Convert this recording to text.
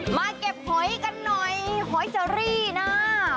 มาเก็บหอยกันหน่อยหอยเจอรี่นะ